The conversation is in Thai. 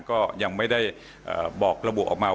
ก็ยังไม่ได้บอกระบุออกมา